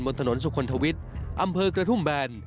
บนถนนสุขลทวิทย์อำเภอกระทุ่มแบน